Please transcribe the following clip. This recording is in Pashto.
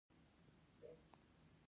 د دره صوف د سکرو کان مشهور دی